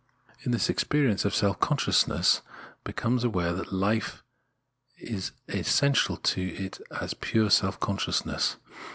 In this experience self consciousness becomes aware that life is as essential to it as pure self consciousness.